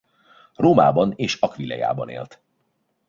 Rómában és Aquileiában élt.